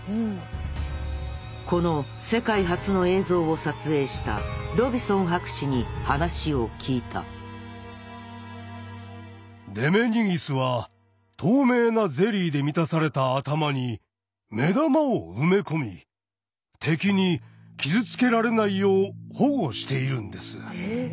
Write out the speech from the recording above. この世界初の映像を撮影したロビソン博士に話を聞いたデメニギスは透明なゼリーで満たされた頭に目玉を埋め込み敵に傷つけられないよう保護しているんです。